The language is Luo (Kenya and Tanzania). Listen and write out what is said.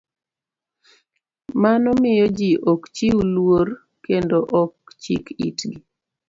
Mano miyo ji ok chiw luor kendo ok chik itgi